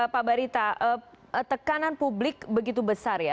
pak barita tekanan publik begitu besar ya